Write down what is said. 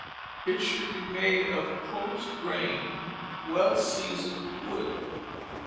It should be made of close grained, well seasoned wood.